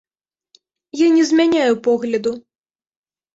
Я не змяняю погляду.